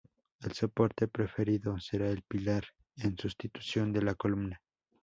El soporte preferido será el pilar en sustitución de la columna.